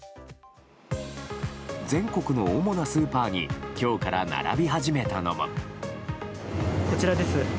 全国の主なスーパーに今日から並び始めたのも。